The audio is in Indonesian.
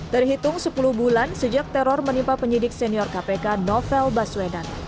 terhitung sepuluh bulan sejak teror menimpa penyidik senior kpk novel baswedan